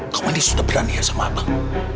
kamu ini sudah berani ya sama abang